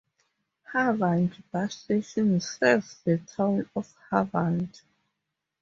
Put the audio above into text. Havant bus station serves the town of Havant.